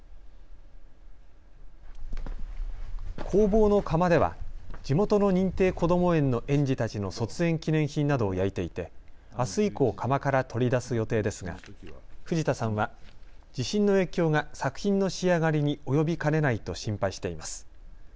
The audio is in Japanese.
工房の窯では地元の認定こども園の園児たちの卒園記念品などを焼いていてあす以降、窯から取り出す予定ですが藤田さんは地震の影響が作品の仕上がりに及びかねないと心配しています。